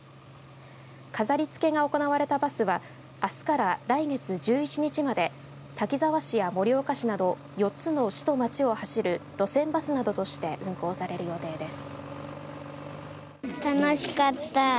飾りつけなどが行われたバスはあすから来月１１日まで滝沢市や盛岡市など４つの市と町を走る路線バスなどとして運行される予定です。